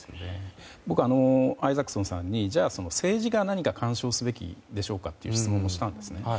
僕はアイザックソンさんに政治が何か干渉すべきでしょうかと質問もしたんですね。